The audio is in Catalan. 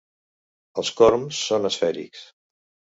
Els corms són esfèrics.